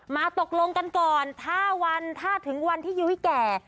ตกลงกันก่อนถ้าวันถ้าถึงวันที่ยุ้ยแก่